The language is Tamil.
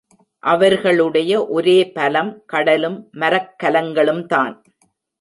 அவர்களுடைய ஒரே பலம் கடலும் மரக்கலங்களும்தான்.